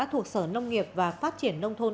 thuộc sở nông nghiệp và phát triển nông thôn